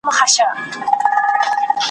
بې فایده وه چي وهله یې زورونه ,